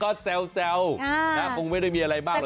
ก็แซวคงไม่ได้มีอะไรมาก